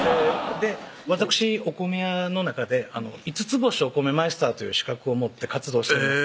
わたくしお米屋の中で五つ星お米マイスターという資格を持って活動しております